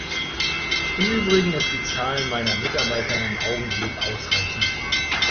Im übrigen ist die Zahl meiner Mitarbeiter im Augenblick ausreichend.